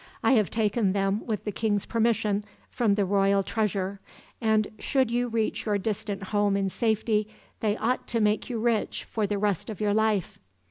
I have taken them, with the king's permission, from the royal treasure; and should you reach your distant home in safety, they ought to make you rich for the rest of your life.